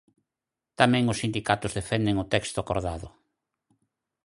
Tamén os sindicatos defenden o texto acordado.